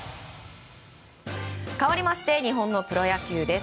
かわりまして日本のプロ野球です。